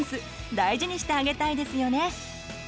大事にしてあげたいですよね！